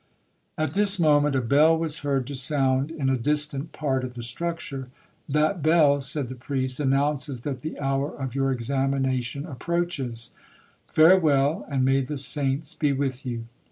'At this moment a bell was heard to sound in a distant part of the structure. 'That bell,' said the priest, 'announces that the hour of your examination approaches—farewell, and may the saints be with you.'